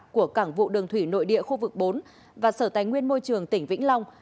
của cảng vụ đường thủy nội địa khu vực bốn và sở tài nguyên môi trường tỉnh vĩnh long